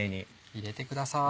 入れてください。